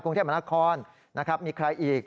กรุงเทพมนาคอนมีใครอีก